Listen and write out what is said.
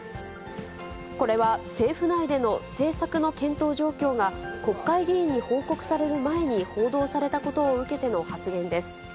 これは政府内での政策の検討状況が、国会議員に報告される前に報道されたことを受けての発言です。